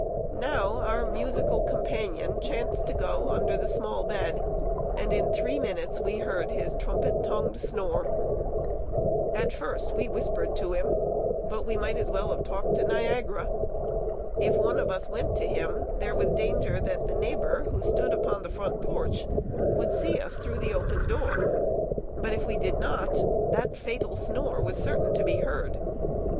Now, our musical companion chanced to go under the small bed, and in three minutes we heard his trumpet tongued snore. At first, we whispered to him; but we might as well have talked to Niagara. If one of us went to him, there was danger that the neighbor, who stood upon the front porch, would see us through the open door; but if we did not, that fatal snore was certain to be heard.